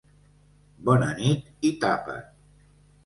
Bona nit i tapa't!